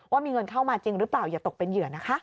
ว่ามีเงินเข้ามาจริงหรือเปล่าอย่าตกเป็นเหยื่อนะคะ